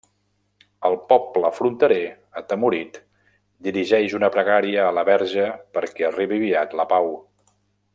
El poble fronterer, atemorit, dirigeix una pregària a la Verge perquè arribi aviat la pau.